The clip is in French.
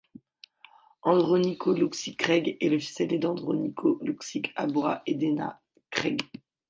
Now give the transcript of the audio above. Andrónico Luksic Craig est le fils aîné d’Andrónico Luksic Abaroa et d’Ena Craig.